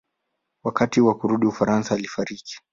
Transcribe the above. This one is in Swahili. Wakati wa kurudi Ufaransa alifariki.